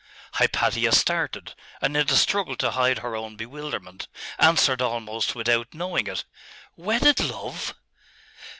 Hypatia started.... And in the struggle to hide her own bewilderment, answered almost without knowing it 'Wedded love?....